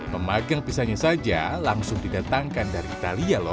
memagang pisahnya saja langsung didatangkan dari italia lho